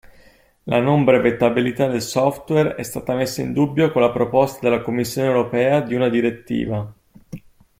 La non brevettabilità del software è stata messa in dubbio con la proposta della Commissione Europea di una direttiva.